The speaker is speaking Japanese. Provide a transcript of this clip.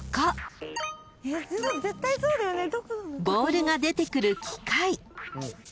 ［ボールが出てくる機械］